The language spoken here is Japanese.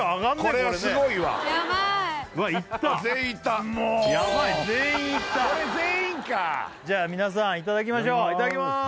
これこれはすごいわわっいった全員いったヤバい全員いったこれ全員かじゃあ皆さんいただきましょういただきます